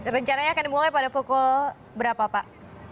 rencananya akan dimulai pada pukul berapa pak